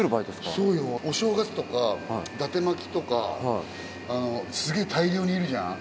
そうよ。お正月とかだて巻きとかすげぇ大量にいるじゃん。